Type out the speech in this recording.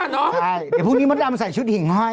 ใช่เดี๋ยวพวกนี้มาจำใส่ชุดหิ่งก้อย